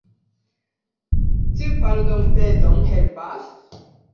Ĉu pardonpeton helpas?